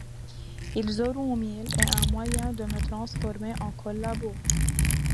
ils auront mille et un moyens de me transformer en collabo.